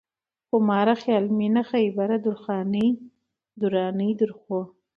خوماره ، خيال مينه ، خيبره ، درخانۍ ، درانۍ ، درخو